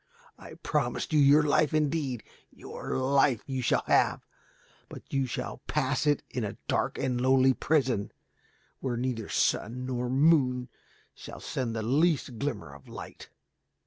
I promised you your life indeed. Your life you shall have, but you shall pass it in a dark and lonely prison, where neither sun nor moon shall send the least glimmer of light.